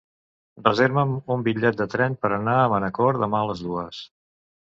Reserva'm un bitllet de tren per anar a Manacor demà a les dues.